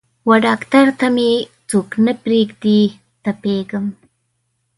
وډاکتر ته مې څوک نه پریږدي تپیږم